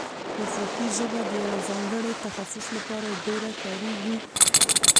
مسلکي ژبه د یوه ځانګړي تخصص له پاره ډېره کاریږي.